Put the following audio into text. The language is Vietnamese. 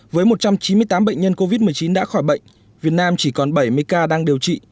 với một trăm chín mươi tám bệnh nhân covid một mươi chín đã khỏi bệnh việt nam chỉ còn bảy mươi ca đang điều trị